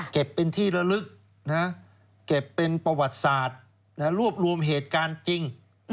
เก็บเป็นที่ระลึกเก็บเป็นประวัติศาสตร์รวบรวมเหตุการณ์จริง